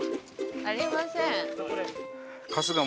ありません。